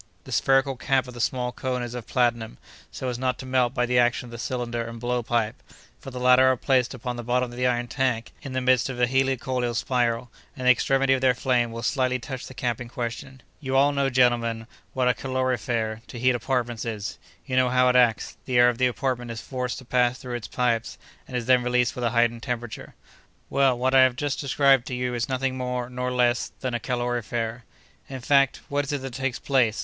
"The spherical cap of the small cone is of platinum, so as not to melt by the action of the cylinder and blow pipe, for the latter are placed upon the bottom of the iron tank in the midst of the helicoidal spiral, and the extremity of their flame will slightly touch the cap in question. "You all know, gentlemen, what a calorifere, to heat apartments, is. You know how it acts. The air of the apartments is forced to pass through its pipes, and is then released with a heightened temperature. Well, what I have just described to you is nothing more nor less than a calorifere. "In fact, what is it that takes place?